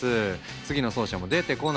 次の走者も出てこない。